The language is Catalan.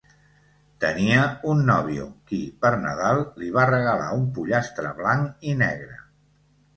Tenia un nóvio, qui, per Nadal, li va regalar un pollastre blanc i negre.